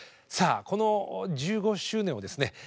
さあこの１５周年をですね